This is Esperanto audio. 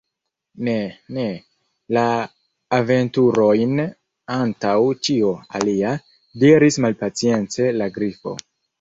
"Ne, ne! la aventurojn antaŭ ĉio alia," diris malpacience la Grifo.